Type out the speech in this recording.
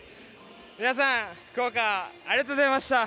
皆さん、福岡ありがとうございました！